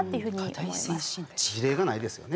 事例がないですよね。